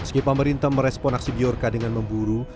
meski pemerintah merespon aksi biorka dengan memburu